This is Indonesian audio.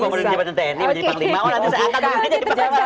kalau mau jadi jabatan tni menjadi panglima